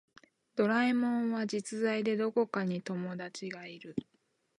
ドラえもんは実在でどこかに友達がいる